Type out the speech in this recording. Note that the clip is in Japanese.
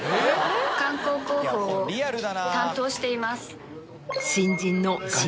観光広報を担当しています。